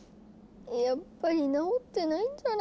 やっぱり直ってないんじゃないですか？